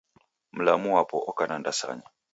Mlamu wapo oka na ndasanya